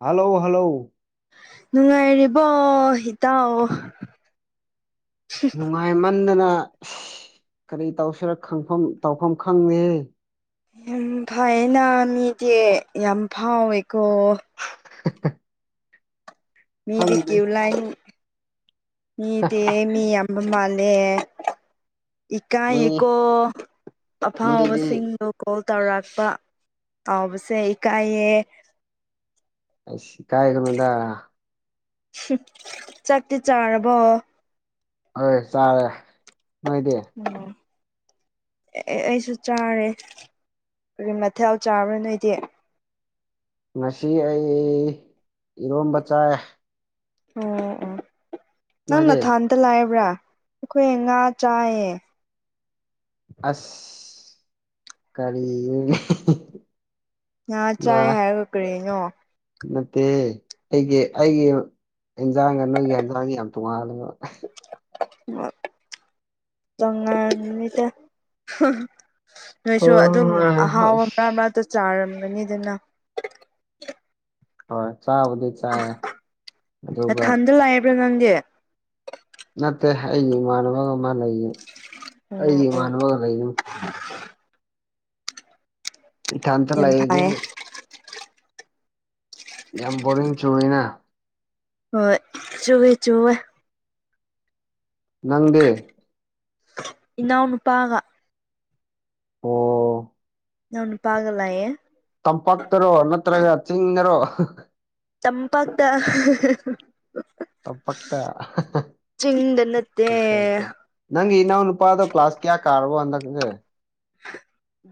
hello hello ꯅꯨꯡꯉꯥꯏꯔꯤꯕꯣ ꯏꯇꯥꯎ ꯅꯨꯡꯉꯥꯏꯃꯟꯗꯅ ꯀꯔꯤ ꯇꯧꯁꯤꯔ ꯈꯪꯐꯝ ꯇꯧꯐꯝ ꯈꯪꯗꯦ ꯌꯥꯝ ꯐꯩꯌꯦꯅ ꯃꯤꯗꯤ ꯌꯥꯝ ꯐꯥꯎꯋꯦꯀꯣ [unintelligible] ꯃꯤꯗꯤ ꯈꯪꯗꯦ ꯀ꯭ꯌꯨ ꯂꯥꯏꯟ ꯃꯤꯗꯤ ꯃꯤ ꯌꯥꯝꯕ ꯃꯥꯜꯂꯦ ꯏꯀꯥꯏ ꯃꯤ ꯀꯣ ꯃꯤꯗꯤ ꯑꯐꯥꯎꯕꯁꯤꯡꯗꯣ ꯀꯣꯜ ꯇꯧꯔꯛꯄ ꯀꯥꯎꯕꯁꯦ ꯏꯀꯥꯏꯌꯦ ꯢꯁ ꯢꯀꯥꯏ ꯒꯅꯨꯗ ꯆꯥꯛꯇꯤ ꯆꯥꯔꯕꯣ ꯍꯣꯏ ꯆꯥꯔꯦ ꯅꯣꯏꯗꯤ ꯑꯣ ꯑꯦ ꯑꯩꯁꯨ ꯆꯥꯔꯦ ꯑꯗꯨꯒꯤ ꯃꯊꯦꯜ ꯆꯥꯕ꯭ꯔꯥ ꯅꯣꯏꯗꯤ ꯉꯁꯤ ꯑꯩ ꯏꯔꯣꯝꯕ ꯆꯥꯥꯏ ꯑꯣ ꯑꯣ ꯅꯪ ꯅꯣꯏꯗꯤ ꯅꯊꯥꯟꯗ ꯂꯩꯕ꯭ꯔꯥ ꯑꯩꯈꯣꯏ ꯉꯥ ꯆꯥꯏꯌꯦ ꯑꯁ ꯀꯔꯤꯅꯣꯅꯦ ꯉꯥ ꯆꯥꯏ ꯍꯥꯏꯔꯒ ꯀꯔꯤꯅꯣ ꯅꯠꯇꯦ ꯑꯩꯒꯤ ꯑꯩꯒꯤ ꯏꯟꯖꯥꯡꯒ ꯅꯣꯏꯒꯤ ꯌꯦꯟꯖꯥꯡꯒ ꯌꯥꯝ ꯇꯣꯡꯉꯥꯜꯂꯦꯕ ꯑ [unintelligible] ꯇꯣꯉꯥꯜꯂꯤꯅꯤꯗ ꯅꯣꯏꯁꯨ ꯑꯗꯨꯝ ꯍꯣꯏ ꯑꯍꯥꯎꯕ ꯃꯔꯥꯛ ꯃꯔꯛꯇ ꯆꯥꯔꯝꯒꯅꯤꯗꯅ ꯍꯣꯏ ꯆꯥꯕꯗꯤ ꯅꯊꯟꯗ ꯂꯩꯕ꯭ꯔꯥ ꯅꯪꯗꯤ ꯅꯠꯇꯦ ꯑꯩꯒꯤ ꯏꯃꯥꯟꯅꯕꯒ ꯃꯥ ꯂꯩ ꯑꯩꯒꯤ ꯑꯣ ꯑꯣ ꯏꯃꯥꯟꯅꯕꯒ ꯂꯩꯌꯦ [unintelligible] ꯢꯊꯥꯜꯗ ꯌꯥꯝ ꯂꯩꯔꯗꯤ ꯐꯩꯌꯦ ꯌꯥꯝ ꯕꯣꯔꯤꯡ ꯆꯨꯏꯋꯦꯅ ꯍꯣꯢ ꯆꯨꯍꯦ ꯆꯨꯍꯦ ꯅꯪꯗꯤ ꯏꯅꯥꯎ ꯅꯨꯨꯄꯥꯒ ꯑꯣ ꯢꯅꯥꯎ ꯅꯨꯄꯥꯒ ꯂꯩꯌꯦ ꯇꯝꯄꯥꯛꯇꯔꯣ ꯅꯠꯇ꯭ꯔꯒ ꯆꯤꯡꯗꯔꯣ ꯇꯝꯄꯥꯛꯇ ꯇꯥꯝꯄꯥꯛꯇ ꯆꯤꯡꯗ ꯅꯠꯇꯦ ꯅꯪ ꯏꯅꯥꯎ ꯅꯨꯄꯥꯗꯣ ꯀ꯭ꯂꯥꯁ ꯀꯌꯥ ꯀꯥꯔꯕꯣ ꯍꯥꯟꯗꯥꯛꯗꯤ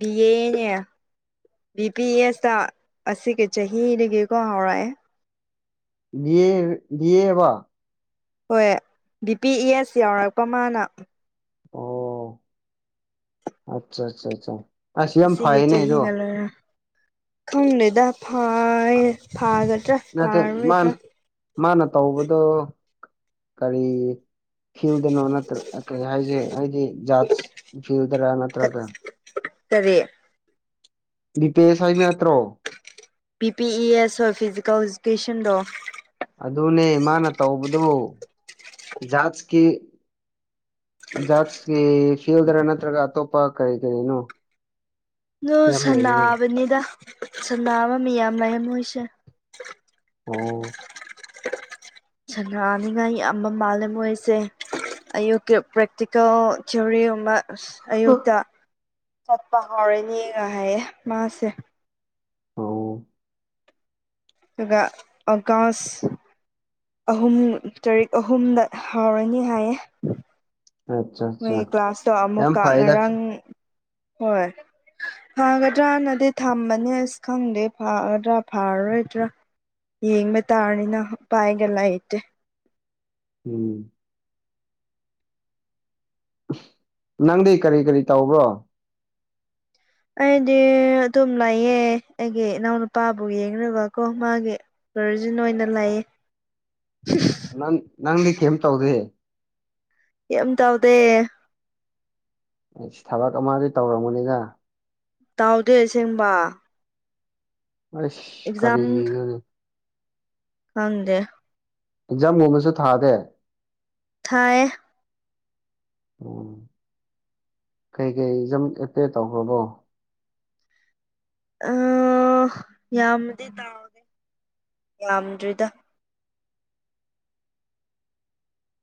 ꯕꯤ ꯑꯦ ꯕꯤ ꯄꯤ ꯑꯦꯁꯇ ꯑꯁꯤꯒꯤ ꯆꯍꯤꯗꯒꯤꯀꯣ ꯍꯧꯔꯛꯑꯦ ꯕꯤꯌꯦ ꯕꯤꯌꯦꯕꯣ ꯍꯣꯏ ꯕꯤ ꯄꯤ ꯏ ꯑꯦꯁ ꯌꯧꯔꯛꯄ ꯃꯥꯅ ꯑꯣ ꯑꯠꯆꯥ ꯑꯠꯆꯥ ꯑꯆꯥ ꯑꯁ ꯌꯥꯝ ꯑꯁꯤꯒꯤ ꯐꯩꯌꯦꯅꯦ ꯑꯗꯣ ꯆꯍꯤꯅ ꯂꯣꯏꯔꯦ ꯈꯪꯗꯦꯗ ꯐꯥꯏ ꯐꯥꯒꯗ꯭ꯔꯥ ꯅꯠꯇꯦ ꯃꯥꯅ ꯐꯥꯔꯣꯏꯗ꯭ꯔꯥ ꯃꯥꯅ ꯇꯧꯕꯗꯣ ꯀꯔꯤ ꯐꯤꯜꯗꯅꯣ ꯅꯠꯇ꯭ꯔ ꯀꯩ ꯍꯥꯏꯁꯦ ꯍꯥꯏꯗꯤ ꯖꯥꯠ ꯐꯤꯜꯗꯔꯥ ꯅꯠꯇ꯭ꯔꯒ ꯀꯔꯤ ꯕꯤ ꯄꯤ ꯑꯦꯁ ꯍꯥꯏꯕ ꯅꯠꯇ꯭ꯔꯣ ꯕꯤ ꯄꯤ ꯏ ꯑꯦꯁ ꯍꯣꯏ ꯐꯤꯖꯤꯀꯦꯜ ꯏꯖꯨꯀꯦꯁꯟꯗꯣ ꯑꯗꯨꯅꯦ ꯃꯥꯅ ꯇꯧꯕꯗꯣ ꯖꯥꯠꯁꯀꯤ ꯖꯥꯠꯁꯀꯤ ꯐꯤꯜꯗꯔ ꯅꯠꯇ꯭ꯔꯒ ꯑꯇꯣꯞꯄ ꯀꯔꯤ ꯀꯔꯤꯅꯣ ꯅꯣꯏ ꯌꯥꯝ ꯂꯩꯌꯦꯅ ꯁꯟꯅꯥꯕꯅꯤꯗ ꯁꯟꯅꯥꯕ ꯃꯤꯌꯥꯝ ꯂꯩꯌꯦ ꯃꯣꯏꯁꯦ ꯑꯣ ꯁꯟꯅꯥꯅꯤꯉꯥꯏ ꯌꯥꯝꯕ ꯃꯥꯜꯂꯦ ꯃꯣꯏꯁꯦ ꯑꯌꯨꯛꯀꯤ ꯄ꯭ꯔꯦꯛꯇꯤꯀꯦꯜ ꯊꯤꯑꯣꯔꯤꯒꯨꯝꯕ ꯑꯁ ꯑꯌꯨꯛꯇ ꯆꯠꯄ ꯍꯧꯔꯅꯤꯒ ꯍꯥꯏꯌꯦ ꯃꯥꯁꯦ ꯑꯣ ꯑꯗꯨꯒ ꯑꯣꯀꯥꯁ ꯑꯍꯨꯝ ꯇꯔꯤꯛ ꯑꯍꯨꯝꯗ ꯍꯥꯎꯔꯅꯤ ꯍꯥꯏꯌꯦ ꯑꯠꯆꯥ ꯑꯠꯆꯥ ꯃꯣꯏꯒꯤ ꯀ꯭ꯂꯥꯁꯇꯣ ꯌꯥꯝ ꯑꯃꯨꯛꯀ ꯐꯩꯗ ꯉꯔꯥꯡ ꯍꯣꯏ ꯐꯒꯗ꯭ꯔꯥꯅꯗꯤ ꯊꯝꯕꯅꯦ ꯑꯁ ꯈꯪꯗꯦ ꯐꯒꯗ꯭ꯔꯥ ꯐꯔꯔꯣꯏꯗ꯭ꯔꯥ ꯌꯦꯡꯕ ꯇꯥꯅꯤꯅ ꯄꯥꯏꯒ ꯂꯩꯇꯦ ꯎꯝ ꯅꯪꯗꯤ ꯀꯔꯤ ꯀꯔꯤ ꯇꯧꯕ꯭ꯔꯣ ꯑꯩꯗꯤ ꯑꯗꯨꯝ ꯂꯩꯑꯦ ꯑꯩꯒꯤ ꯏꯅꯥꯎ ꯅꯨꯄꯥꯕꯨ ꯌꯦꯡꯔꯒ ꯀꯣ ꯃꯥꯒꯤ ꯀꯔꯖꯤꯟ ꯑꯣꯏꯅ ꯂꯩꯌꯦ ꯅꯪ ꯅꯪꯗꯤ ꯀꯦꯝ ꯇꯧꯗꯦ ꯀꯦꯝ ꯇꯧꯗꯦ ꯏꯁ ꯊꯕꯛ ꯑꯃꯗꯤ ꯇꯧꯔꯝꯒꯅꯤꯗ ꯇꯥꯎꯗꯦ ꯑꯁꯦꯡꯕ ꯑꯥꯏꯁ ꯑꯦꯛꯖꯥꯝ ꯀꯔꯤꯅꯣꯅꯦ ꯈꯪꯗꯦ ꯑꯦꯛꯖꯥꯝꯒꯨꯝꯕꯁꯨ ꯊꯥꯗꯦ ꯊꯥꯏꯌꯦ ꯑꯣ ꯀꯩꯀꯩ ꯑꯦꯛꯖꯥꯝ ꯑꯦꯄꯤꯌꯔ ꯇꯧꯈ꯭ꯔꯕꯣ ꯑ ꯌꯥꯝꯃꯗꯤ ꯇꯥꯎꯗꯦ ꯌꯥꯝꯗ꯭ꯔꯤꯗ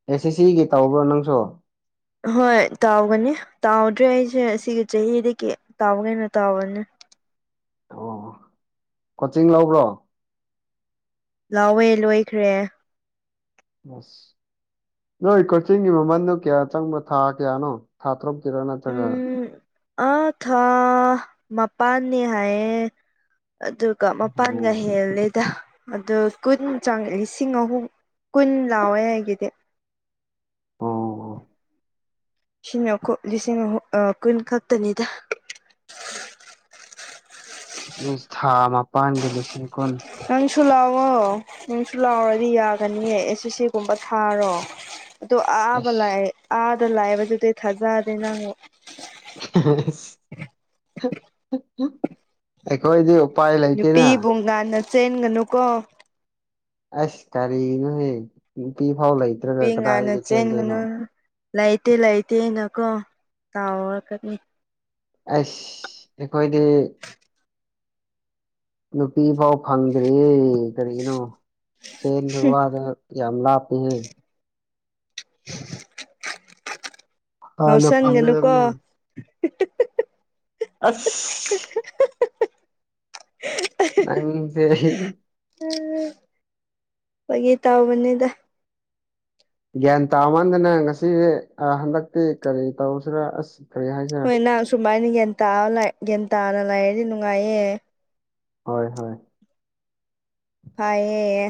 ꯑꯦꯁ ꯑꯦꯁ ꯁꯤꯒꯤ ꯇꯧꯕ꯭ꯔꯣ ꯅꯪꯁꯨ ꯍꯣꯏ ꯇꯥꯎꯒꯅꯤ ꯇꯥꯎꯗ꯭ꯔꯦ ꯑꯩꯁꯦ ꯁꯤꯒꯤ ꯆꯍꯤꯗꯒꯤ ꯇꯥꯎꯒꯦꯅ ꯇꯥꯎꯕꯅꯤ ꯑꯣ ꯀꯣꯆꯤꯡ ꯂꯧꯕ꯭ꯔꯣ ꯂꯧꯋꯦ ꯂꯣꯏꯈ꯭ꯔꯦ ꯑꯁ ꯅꯣꯏ ꯀꯣꯆꯤꯡꯒꯤ ꯃꯃꯟꯗꯣ ꯀꯌꯥ ꯆꯪꯕ ꯊꯥ ꯀꯌꯥꯅꯣ ꯊꯥ ꯇꯔꯨꯛꯀꯤꯔꯣ ꯅꯠꯇ꯭ꯔꯒ ꯎꯝ ꯑꯥ ꯊꯥ ꯃꯄꯥꯟꯅꯤ ꯍꯥꯏꯌꯦ ꯑꯗꯨꯒ ꯑꯣ ꯃꯄꯥꯟꯒ ꯍꯦꯜꯂꯦꯗ ꯑꯗꯣ ꯀꯨꯟ ꯆꯪ ꯂꯤꯁꯤꯡ ꯑꯍꯨꯝ ꯀꯨꯟ ꯂꯥꯎꯋꯦ ꯑꯩꯒꯤꯗꯤ ꯑꯣ ꯁꯤꯅꯀꯣ ꯂꯤꯁꯤꯡ ꯑꯍꯨꯝ ꯑ ꯀꯨꯟ ꯈꯛꯇꯅꯤꯗ ꯏꯁ ꯊꯥ ꯃꯥꯄꯥꯟꯗ ꯂꯤꯁꯤꯡ ꯀꯨꯟ ꯅꯪꯁꯨ ꯂꯥꯎꯋꯣ ꯅꯪꯁꯨ ꯂꯥꯎꯔꯗꯤ ꯌꯥꯒꯅꯤꯌꯦ ꯑꯦꯁ ꯑꯦꯁ ꯁꯤꯒꯨꯝꯕ ꯊꯥꯔꯣ ꯑꯗꯣ ꯑꯥꯕ ꯑꯁ ꯂꯥꯛꯑꯦ ꯑꯥꯗ ꯂꯥꯏꯕꯗꯨꯗꯤ ꯊꯥꯖꯗꯦ ꯅꯪ [unintelligible] ꯑꯩꯈꯣꯏꯗꯤ ꯎꯄꯥꯏ ꯂꯩꯇꯦꯅ ꯅꯨꯄꯤꯕꯨ ꯉꯥꯟꯅ ꯆꯦꯟꯒꯅꯨꯀꯣ ꯑꯁ ꯀꯥꯔꯤꯒꯤꯅꯣꯍꯦ ꯅꯨꯄꯤ ꯐꯥꯎ ꯂꯩ ꯅꯨꯄꯤ ꯉꯥꯟꯅ ꯆꯦꯡꯒꯅꯨ ꯂꯩꯇꯦ ꯂꯩꯇꯦ ꯅꯀꯣ ꯇꯥꯎꯔꯛꯀꯅꯤ ꯑꯁ ꯑꯩꯈꯣꯏꯗꯤ ꯅꯨꯄꯤ ꯐꯥꯎ ꯐꯪꯗ꯭ꯔꯤꯌꯦ ꯀꯔꯤꯒꯤꯅꯣ ꯆꯦꯟꯕ ꯋꯥꯗꯣ ꯌꯥꯝ ꯂꯥꯞꯄ‌ꯦꯍ‌ꯦ ꯍꯥꯟꯅ ꯉꯥꯎꯁꯟꯒꯅꯨꯀꯣ ꯐꯪꯒꯗꯕꯅꯦ ꯑꯁ [unintelligible] ꯅꯪꯖꯦ ꯍꯤ ꯑ ꯐꯥꯒꯤ ꯇꯧꯕꯅꯤꯗ ꯒ꯭ꯌꯥꯟ ꯇꯥꯃꯟꯗꯅ ꯉꯁꯤꯗꯤ ꯑꯥ ꯍꯟꯗꯛꯇꯤ ꯀꯔꯤ ꯇꯧꯁꯤꯔ ꯑꯁ ꯀꯔꯤ ꯍꯥꯏꯁꯤꯔ ꯍꯣꯏ ꯅꯪ ꯁꯨꯃꯥꯏꯅ ꯒ꯭ꯌꯥꯟ ꯇꯥꯕ ꯂꯩ ꯒ꯭ꯌꯥꯟ ꯇꯥꯅ ꯂꯩꯔꯗꯤ ꯅꯨꯡꯉꯥꯏꯌꯦ ꯍꯣꯏ ꯍꯣꯏ ꯐꯥꯏꯌꯦ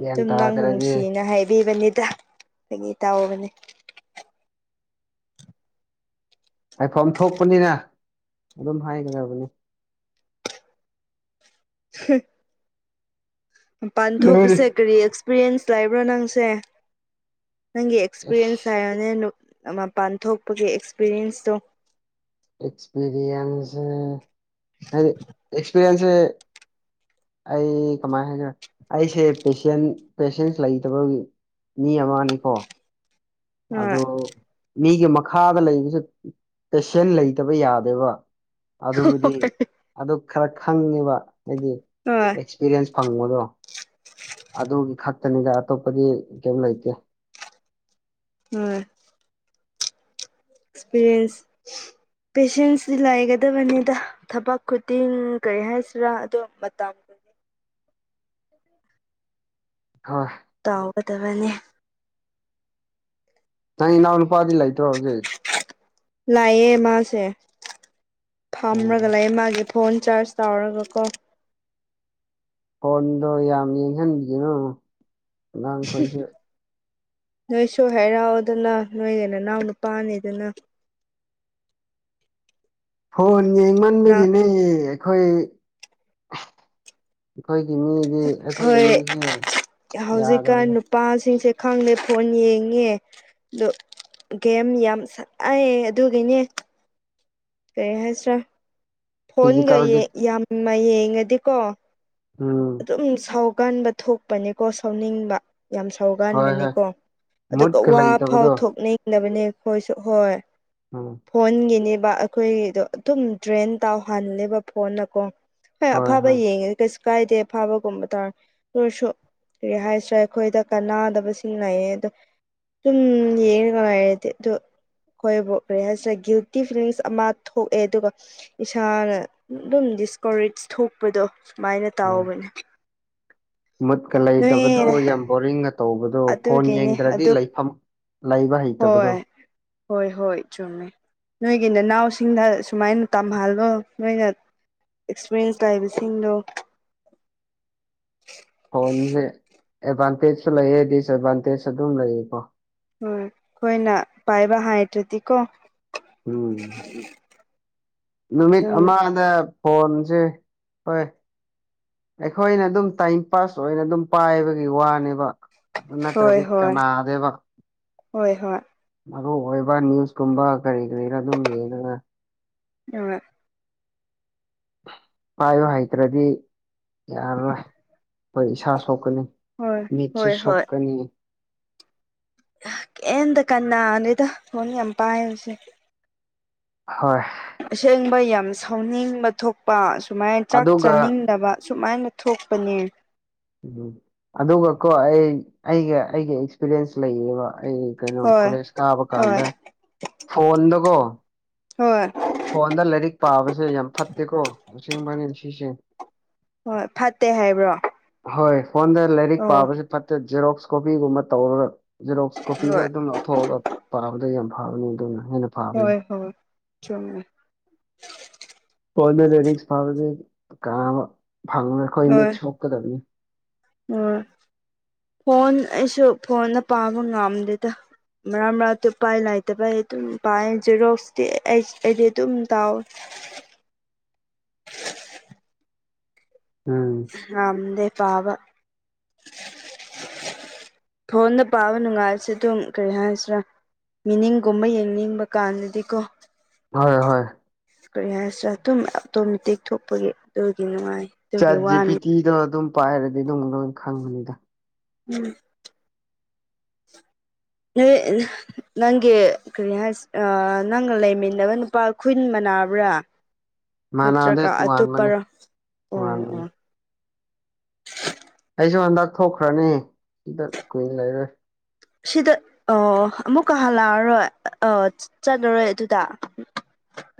ꯒ꯭ꯌꯥꯟ ꯁꯨꯝ ꯅꯪꯕꯨ ꯇꯥꯗ꯭ꯔꯗꯤ ꯅꯨꯡꯁꯤꯅ ꯍꯥꯏꯕꯤꯕꯅꯤꯗ ꯐꯥꯒꯤ ꯇꯥꯎꯕꯅꯤ ꯍꯥꯏꯐꯝ ꯊꯣꯛꯄꯅꯤꯅ ꯑꯗꯨꯝ ꯍꯥꯏꯒꯗꯕꯅꯤ ꯍꯨꯝ ꯃꯄꯥꯟ ꯂꯣꯏꯔꯦ ꯊꯣꯛꯄꯁꯦ ꯀꯔꯤ ꯑꯦꯛꯁꯄꯤꯔꯤꯌꯦꯟꯁ ꯂꯩꯕ꯭ꯔꯥ ꯅꯪꯁꯦ ꯅꯪꯒꯤ ꯑꯦꯛꯁꯄꯤꯔꯤꯌꯦꯟꯁ ꯍꯥꯏꯌꯣꯅꯦ ꯅꯨꯞ ꯃꯄꯥꯟ ꯊꯣꯛꯄꯒꯤ ꯑꯦꯛꯁꯄꯤꯔꯤꯌꯦꯟꯁꯇꯣ ꯑꯦꯁꯄꯤꯔꯤꯌꯦꯟꯁꯦ ꯍꯥꯏꯗꯤ ꯑꯦꯁꯄꯤꯔꯤꯌꯦꯟꯁꯦ ꯑꯩ ꯀꯃꯥꯏꯅ ꯍꯥꯏꯁꯤꯔꯥ ꯑꯩꯁꯦ ꯄꯦꯁꯦꯟ ꯄꯦꯁꯦꯟꯁ ꯂꯩꯇꯕꯒꯤ ꯃꯤ ꯑꯃꯅꯤꯀꯣ ꯍꯣꯏ ꯑꯗꯨ ꯃꯤꯒꯤ ꯃꯈꯥꯗ ꯂꯩꯕꯁꯦ ꯄꯦꯁꯦꯟ ꯂꯩꯇꯕ ꯌꯥꯗꯦꯕ ꯑꯗꯨꯕꯨꯗꯤ ꯑꯗꯨ ꯈꯔ ꯈꯪꯉꯦꯕ ꯍꯥꯏꯗꯤ ꯍꯣꯏ ꯑꯦꯛꯁꯄꯤꯔꯤꯌꯦꯟꯁ ꯐꯪꯕꯗꯣ ꯑꯗꯨꯒꯤ ꯈꯛ ꯇꯅꯤꯗ ꯑꯇꯣꯞꯄꯗꯤ ꯀꯩꯝ ꯂꯩꯇꯦ [unintelligible] ꯑꯦꯛꯁꯄꯤꯔꯤꯌꯦꯟꯁ ꯄꯦꯁꯦꯟꯁꯇꯤ ꯂꯩꯒꯗꯕꯅꯤꯗ ꯊꯕꯛ ꯈꯨꯗꯤꯡ ꯀꯔꯤ ꯍꯥꯏꯁꯤꯔꯥ ꯑꯗꯣ ꯃꯇꯝ ꯍꯣꯏ ꯇꯥꯎꯒꯗꯕꯅꯤ ꯅꯪ ꯏꯅꯥꯎ ꯅꯨꯄꯥꯗꯤ ꯂꯩꯇ꯭ꯔꯣ ꯍꯧꯖꯤꯛ ꯂꯩꯌꯦ ꯃꯥꯁꯦ ꯎꯝ ꯐꯝꯔꯒ ꯂꯩꯌꯦ ꯃꯥꯒꯤ ꯐꯣꯟ ꯆꯥꯔꯖ ꯇꯧꯔꯒ ꯀꯣ ꯐꯣꯟꯗꯣ ꯌꯥꯝ ꯌꯦꯡꯁꯟꯕꯤꯒꯅꯣ ꯑꯉꯥꯡꯈꯣꯏꯁꯦ ꯅꯣꯏꯁꯨ ꯍꯥꯏꯔꯥꯎꯑꯣꯗꯅ ꯅꯣꯏꯒꯤ ꯅꯅꯥꯎ ꯅꯨꯄꯥꯅꯤꯗꯅ ꯐꯣꯟ ꯌꯦꯡꯃꯟꯕꯒꯤꯅꯦ ꯑꯩꯈꯣꯏ ꯑꯩꯈꯣꯏꯒꯤ ꯃꯤꯗꯤ ꯑꯩꯈꯣꯏꯒꯤ ꯍꯣꯏ ꯃꯤꯖꯦ ꯌꯥꯗꯕꯅꯤ ꯄꯥꯁꯤꯡꯁꯦ ꯈꯪꯗꯦ ꯐꯣꯟ ꯌꯦꯡꯉꯦ ꯑꯗꯣ ꯒꯦꯝ ꯌꯥꯝ ꯁꯥꯠꯅꯩ ꯑꯗꯨꯒꯤꯅꯦ ꯀꯔꯤ ꯍꯥꯏꯁꯤꯔꯥ ꯐꯣꯟꯒ ꯐꯤꯖꯤꯀꯦꯜꯒꯤ ꯌꯦꯡ ꯌꯥꯝꯃ ꯌꯦꯡꯉꯗꯤꯀꯣ ꯎꯝ ꯑꯗꯨꯝ ꯁꯥꯎꯒꯟꯕ ꯊꯣꯛꯄꯅꯤꯀꯣ ꯁꯥꯎꯅꯤꯡꯕ ꯌꯥꯝ ꯍꯣꯏ ꯍꯣꯏ ꯁꯧꯒꯥꯟꯕꯅꯤꯀꯣ ꯑꯗꯨꯒ ꯃꯨꯠꯀ ꯋꯥ ꯐꯥꯎ ꯂꯩꯇꯕꯗꯣ ꯊꯣꯛꯅꯤꯡꯗꯕꯅꯦ ꯑꯩꯈꯣꯏꯁꯨ ꯍꯣꯏ ꯎꯝ ꯐꯣꯟꯒꯤꯅꯦꯕ ꯑꯩꯈꯣꯏꯒꯤꯗꯣ ꯑꯗꯨꯝ ꯗ꯭ꯔꯦꯟ ꯇꯧꯍꯜꯂꯦꯕ ꯐꯣꯟꯅꯀꯣ ꯍꯣꯏ ꯑꯐꯕ ꯌꯦꯡꯉꯗꯤ ꯀꯩꯁꯨ ꯀꯥꯏꯗꯦ ꯐꯥꯕꯒꯨꯝꯕ ꯇꯥꯔꯦ ꯑꯣꯏꯔꯁꯨ ꯀꯔꯤ ꯍꯥꯏꯁꯤꯔꯥ ꯑꯩꯈꯣꯏꯗ ꯀꯥꯟꯅꯗꯕꯁꯤꯡ ꯂꯩꯌꯦ ꯑꯗꯣ ꯁꯨꯝ ꯌꯦꯡꯔꯒ ꯂꯩꯔꯗꯤ ꯗꯣ ꯑꯩꯈꯣꯏꯕꯨ ꯀꯔꯤ ꯍꯥꯏꯁꯤꯔꯦ ꯒꯤꯜꯇꯤ ꯐꯤꯂꯤꯡꯁ ꯑꯃ ꯊꯣꯛꯑꯦ ꯑꯗꯨꯒ ꯏꯁꯥꯅ ꯑꯗꯨꯝ ꯗꯤꯁꯀꯣꯔꯦꯖ ꯊꯣꯛꯄꯗꯣ ꯁꯨꯃꯥꯏꯅ ꯍꯣꯏ ꯇꯥꯎꯕꯅꯦ ꯃꯨꯠꯀ ꯂꯩꯇꯕꯗꯣ ꯌꯥꯝ ꯕꯣꯔꯤꯡꯒ ꯇꯧꯕꯗꯣ ꯐꯣꯟ ꯑꯗꯨꯒꯤꯅꯤ ꯌꯦꯡꯗ꯭ꯔꯗꯤ ꯑꯗꯨ ꯂꯩꯐꯝ ꯂꯩꯕ ꯍꯩ ꯍꯣꯏ ꯍꯣꯏ ꯍꯣꯏ ꯆꯨꯝꯃꯦ ꯅꯣꯏꯒꯤ ꯏꯅꯥꯎꯁꯤꯡꯗ ꯁꯨꯃꯥꯏꯅ ꯇꯝꯍꯜꯂꯣ ꯅꯣꯏꯅ ꯑꯦꯛꯁꯄꯤꯔꯤꯌꯦꯟꯁ ꯂꯩꯕꯁꯤꯡꯗꯣ ꯐꯣꯟꯁꯦ ꯑꯦꯗꯚꯥꯟꯇꯦꯖꯁꯨ ꯂꯩꯌꯦ ꯗꯤꯁꯑꯦꯠꯚꯥꯟꯇꯦꯖ ꯑꯗꯨꯝ ꯂꯩꯌꯦꯀꯣ ꯍꯣꯢ ꯑꯩꯈꯣꯏꯅ ꯄꯥꯏꯕ ꯍꯥꯏꯇ꯭ꯔꯗꯤꯀꯣ ꯎꯝ ꯅꯨꯃꯤꯠ ꯑꯗꯨꯝ ꯑꯃꯗ ꯐꯣꯟꯁꯦ ꯍꯣꯏ ꯑꯩꯈꯣꯏꯅ ꯑꯗꯨꯝ ꯇꯥꯏꯝ ꯄꯥꯁ ꯑꯣꯏꯅ ꯑꯗꯨꯝ ꯄꯥꯏꯕꯒꯤ ꯋꯥꯅꯦꯕ ꯑꯗꯨ ꯍꯣꯏ ꯅꯠꯇ꯭ꯔꯗꯤ ꯍꯣꯏ ꯀꯥꯟꯅꯗꯦꯕ ꯍꯣꯏ ꯍꯣꯏ ꯃꯔꯨ ꯑꯣꯏꯕ ꯅꯤꯌꯨꯁꯀꯨꯝꯕ ꯀꯔꯤ ꯀꯔꯤꯔ ꯑꯗꯨꯝ ꯌꯦꯡꯉꯒ ꯍꯣꯢ ꯄꯥꯏꯕ ꯍꯩꯇ꯭ꯔꯗꯤ ꯌꯥꯔꯔꯣꯏ ꯈꯣꯢ ꯏꯁꯥ ꯁꯣꯛꯀꯅꯤ ꯍꯣꯏ ꯃꯤꯠꯁꯨ ꯍꯣꯏ ꯍꯣꯏ ꯁꯣꯛꯀꯅꯤ ꯀꯤꯝꯇ ꯀꯅꯥꯅꯗꯦꯗ ꯐꯣꯟ ꯌꯥꯝ ꯄꯥꯏꯕꯁꯦ ꯍꯣꯏ ꯑꯁꯦꯡꯕ ꯌꯥꯝ ꯁꯥꯎꯅꯤꯡꯕ ꯊꯣꯛꯄ ꯁꯨꯃꯥꯏꯅ ꯆꯥꯛ ꯑꯗꯨꯒ ꯆꯥꯅꯤꯡꯗꯕ ꯁꯨꯃꯥꯏꯅ ꯊꯣꯛꯄꯅꯦ ꯎꯝ ꯑꯗꯨꯒꯀꯣ ꯑꯩ ꯑꯩꯒ ꯑꯩꯒ ꯑꯦꯛꯁꯄꯤꯔꯤꯌꯦꯟꯁ ꯂꯩꯌꯦꯕ ꯑꯩ ꯀꯩꯅꯣ ꯍꯣꯏ ꯀꯂꯦꯁ ꯀꯥꯕ ꯍꯣꯏ ꯀꯥꯟꯗ ꯐꯣꯟꯗꯀꯣ ꯍꯣꯏ ꯐꯣꯟꯗ ꯂꯥꯏꯔꯤꯛ ꯄꯥꯕꯁꯦ ꯌꯥꯝ ꯐꯠꯇꯦꯀꯣ ꯑꯁꯦꯡꯕꯅꯤ ꯁꯤꯁꯦ ꯍꯣꯏ ꯐꯠꯇꯦ ꯍꯥꯏꯕ꯭ꯔꯣ ꯍꯣꯏ ꯐꯣꯟꯗ ꯂꯥꯏꯔꯤꯛ ꯑꯣ ꯄꯥꯕꯁꯤ ꯐꯠꯇꯦ ꯖꯦꯔꯣꯛꯁ ꯀꯣꯄꯤꯒꯨꯝꯕ ꯇꯧꯔꯥꯒ ꯖꯦꯔꯣꯛꯁ ꯀꯣꯄꯤ ꯈꯔ ꯍꯣꯏ ꯑꯗꯨꯝ ꯂꯧꯊꯣꯛꯑꯒ ꯄꯥꯕꯗ ꯌꯥꯝ ꯐꯕꯅꯤ ꯑꯗꯨꯅ ꯍꯦꯟꯅ ꯐꯕꯅꯤ ꯍꯣꯏ ꯍꯣꯏ ꯆꯨꯝꯃꯦ ꯐꯣꯟꯗ ꯂꯥꯢꯔꯤꯛ ꯄꯥꯕꯗꯤ ꯀꯥꯟꯅꯕ ꯐꯪꯉꯣꯢ ꯈꯣꯏ ꯃꯤꯠꯁꯦ ꯁꯣꯛꯀꯗꯕꯅꯤ ꯍꯣꯢ ꯐꯣꯟ ꯑꯩꯁꯨ ꯐꯣꯟꯗ ꯄꯥꯕ ꯉꯝꯗꯦꯗ ꯃꯔꯥꯛ ꯃꯔꯥꯛ ꯎꯄꯥꯏ ꯂꯩꯥꯇꯕꯩ ꯑꯗꯨꯝ ꯄꯥꯏ ꯖꯦꯔꯣꯛꯁꯇꯤ ꯑꯩ ꯑꯩꯗꯤ ꯑꯗꯨꯝ ꯇꯥꯎꯋꯦ ꯎꯝ ꯉꯝꯗꯦ ꯄꯥꯕ ꯐꯣꯟꯗ ꯄꯥꯕ ꯅꯨꯡꯉꯥꯏꯕꯁꯦ ꯑꯗꯨꯝ ꯀꯔꯤ ꯍꯥꯏꯁꯤꯔꯥ ꯃꯤꯅꯤꯡꯒꯨꯝꯕ ꯌꯦꯡꯅꯤꯡꯕ ꯀꯥꯟꯗꯗꯤꯀꯣ ꯍꯣꯏ ꯍꯣꯏ ꯀꯔꯤ ꯍꯥꯏꯁꯤꯔ ꯑꯗꯨꯝ ꯑꯣꯇꯣꯃꯦꯇꯤꯛ ꯊꯣꯛꯄꯒꯤ ꯑꯗꯨꯒꯤ ꯅꯨꯡꯉꯥꯏ ꯑꯗꯨꯒꯤ ꯆꯠ ꯋꯥꯅꯤ ꯖꯤꯄꯤꯇꯤꯗꯣ ꯑꯗꯨꯝ ꯄꯥꯏꯔꯗꯤ ꯑꯗꯨꯝ ꯂꯣꯏ ꯈꯪꯕꯅꯤꯗ ꯎꯝ ꯅꯣꯏ [unintelligible] ꯅꯪꯒꯤ ꯀꯔꯤ ꯍꯥꯏꯁꯤꯔ ꯅꯪꯒ ꯂꯩꯃꯤꯟꯅꯕ ꯅꯨꯄꯥ ꯈꯨꯨꯟ ꯃꯅꯥꯕ꯭ꯔꯥ [unintelligible] ꯃꯥꯅꯗꯦ ꯅꯠꯇ꯭ꯔꯒ ꯇꯣꯉꯥꯟꯕꯅꯦ ꯑꯇꯣꯞꯄꯔꯣ ꯑꯣ ꯑꯣ ꯇꯣꯉꯥꯟꯕꯅꯦ ꯑꯩꯁꯨ ꯍꯟꯗꯛ ꯊꯣꯛꯈ꯭ꯔꯅꯤ ꯁꯤꯗ ꯀꯨꯏꯅ ꯂꯩꯔꯣꯏ ꯁꯤꯗ ꯑ ꯑꯃꯨꯛꯀ ꯍꯜꯂꯛꯑꯔꯣꯏ ꯑ ꯆꯠꯂꯔꯣꯏ ꯑꯗꯨꯗ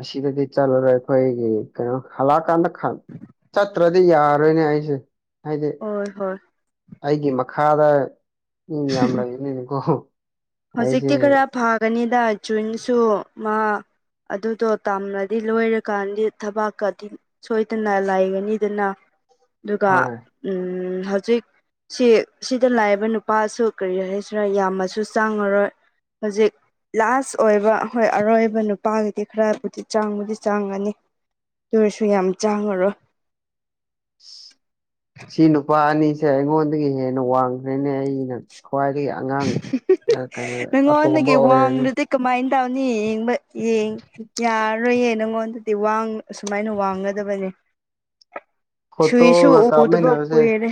ꯑꯁꯤꯗꯗꯤ ꯆꯠꯂꯔꯣꯏ ꯑꯩꯈꯣꯏꯒꯤ ꯀꯩꯅꯣ ꯍꯜꯂꯛꯑꯀꯥꯟꯗ ꯆꯠꯇ꯭ꯔ ꯑꯗꯨꯗꯤ ꯌꯥꯔꯣꯏꯅꯦ ꯑꯩꯁꯦ ꯍꯥꯏꯗꯤ ꯍꯣꯏ ꯍꯣꯏ ꯑꯩꯒꯤ ꯃꯈꯥꯗ ꯃꯤ ꯃꯌꯥꯝ ꯂꯩꯕꯅꯤꯅꯒꯣ ꯍꯧꯖꯤꯛꯇꯤ ꯈꯔ ꯐꯒꯅꯤꯗ ꯖꯨꯟꯁꯨ ꯃꯥ ꯑꯗꯨꯗꯣ ꯇꯝꯂꯗꯤ ꯂꯣꯏꯔꯀꯥꯟꯗꯤ ꯊꯕꯥꯛꯀꯗꯤ ꯁꯣꯏꯗꯅ ꯂꯩꯒꯅꯤꯗꯅ ꯑꯗꯨꯒ ꯍꯣꯏ ꯎꯝ ꯍꯧꯖꯤꯛ ꯁꯤ ꯁꯤꯗ ꯂꯥꯛꯏꯕ ꯅꯨꯄꯥꯁꯨ ꯀꯔꯤ ꯍꯥꯏꯁꯤꯔꯥ ꯌꯥꯝꯃꯁꯨ ꯆꯪꯉꯔꯣꯏ ꯍꯧꯖꯤꯛ ꯂꯥꯁ ꯑꯣꯏꯕ ꯍꯣꯏ ꯑꯔꯣꯏꯕ ꯅꯨꯄꯥꯒꯤꯗꯤ ꯈꯔꯕꯨꯗꯤ ꯆꯥꯡꯕꯨꯗꯤ ꯆꯥꯡꯒꯅꯤ ꯇꯨꯑꯣꯏꯔꯁꯨ ꯌꯥꯝ ꯆꯥꯡꯉꯔꯣꯏ [unintelligible] ꯁꯤ ꯅꯨꯄꯥ ꯑꯅꯤꯁꯦ ꯑꯩꯉꯣꯟꯗꯒꯤ ꯍꯦꯟꯅ ꯋꯥꯡꯈ꯭ꯔꯦꯅꯦ ꯑꯩꯅ ꯈ꯭ꯋꯥꯏꯗꯒꯤ ꯑꯉꯥꯡ ꯀꯩꯅꯣ ꯑꯇꯣꯝꯕ ꯑꯣꯏꯔꯅꯤ ꯀꯃꯥꯏꯟ ꯇꯧꯅꯤ ꯌꯦꯡꯕ ꯌꯦꯡ ꯌꯥꯔ ꯑꯔꯣꯏꯌꯦ ꯅꯪꯉꯣꯟꯗꯗꯤ ꯋꯥꯡ ꯑꯁꯨꯃꯥꯏꯅ ꯋꯥꯡꯒꯗꯕꯅꯦ ꯁꯨꯏꯁꯨ ꯐꯣꯇꯣꯒ ꯎꯗꯕ ꯀꯥꯞꯃꯤꯟꯅꯕꯁꯦ ꯀꯨꯏꯔꯦ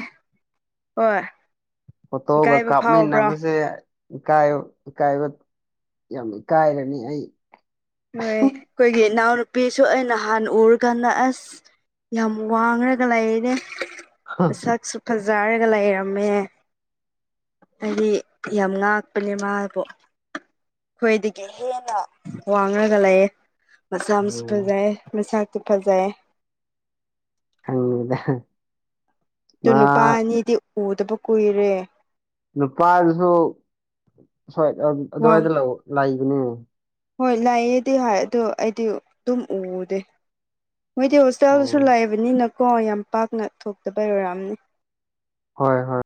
ꯍꯣꯏ ꯐꯣꯠꯇꯣꯒ ꯏꯀꯥꯏꯕ ꯐꯥꯎꯕ꯭ꯔꯣ ꯀꯥꯞꯃꯤꯟꯅꯕꯁꯦ ꯏꯀꯥꯏꯌꯣ ꯏꯀꯥꯏꯕ ꯌꯥꯝ ꯏꯀꯥꯏꯔꯅꯤ ꯑꯩ ꯅꯣꯏ ꯑꯈꯣꯏꯒꯤ ꯏꯅꯥꯎꯅꯨꯄꯤꯁꯨ ꯑꯩ ꯅꯍꯥꯟ ꯎꯔꯀꯥꯟꯗ ꯑꯁ ꯌꯥꯝ ꯋꯥꯡꯔꯒ ꯂꯩꯔꯦ ꯃꯁꯛꯁꯨ ꯐꯖꯔꯒ ꯂꯩꯔꯝꯃꯦ ꯍꯥꯏꯗꯤ ꯌꯥꯝ ꯉꯥꯛꯄꯅꯦ ꯃꯥꯕꯨ ꯑꯈꯣꯏꯗꯒꯤ ꯍꯦꯟꯅ ꯋꯥꯡꯔꯒ ꯂꯩꯌꯦ ꯃꯁꯝꯁꯨ ꯎꯝ ꯐꯖꯩ ꯃꯁꯛ ꯁꯨ ꯐꯖꯩꯌꯦ ꯈꯪꯉꯤꯗ ꯍ ꯑꯗꯨ ꯅꯨꯄꯥ ꯑꯅꯤꯗꯤ ꯎꯗꯕ ꯀꯨꯏꯔꯦ ꯅꯨꯄꯥꯗꯨꯁꯨ ꯁ꯭ꯋꯥꯏꯠ ꯑꯝ ꯋꯥꯡ ꯑꯗꯨꯋꯥꯏꯗ ꯂꯧ ꯂꯩꯕꯅꯦ ꯍꯣꯏ ꯂꯩꯌꯦꯗꯤ ꯍꯥꯏ ꯑꯗꯨ ꯑꯩꯗꯤ ꯇꯨꯝ ꯎꯗꯦ ꯃꯣꯏꯗꯤ ꯍꯣꯁ ꯇꯦꯜꯗꯁꯨ ꯍꯣꯏ ꯂꯩꯕꯅꯤꯅꯀꯣ ꯌꯥꯝ ꯄꯥꯛꯅ ꯊꯣꯛꯇꯕꯩ ꯑꯣꯏꯔꯝꯅꯤ ꯍꯣꯏ ꯍꯣꯏ